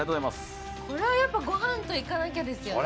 これはやっぱごはんといかなきゃですよね。